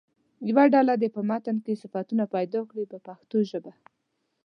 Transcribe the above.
یوه ډله دې په متن کې صفتونه پیدا کړي په پښتو ژبه.